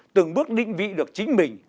từng bước định vị được chính mình